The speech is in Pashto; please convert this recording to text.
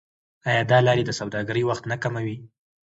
آیا دا لارې د سوداګرۍ وخت نه کموي؟